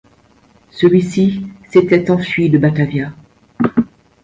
Celui-ci s'était enfui de Batavia.